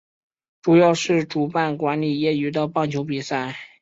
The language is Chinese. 主要是主办管理业余的棒球比赛。